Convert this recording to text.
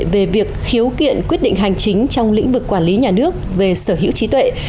về việc khiếu kiện quyết định hành chính trong lĩnh vực quản lý nhà nước về sở hữu trí tuệ